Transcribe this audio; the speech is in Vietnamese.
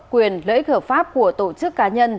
quyền lợi ích hợp pháp của tổ chức cá nhân